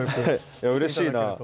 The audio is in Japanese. いやうれしいなあ。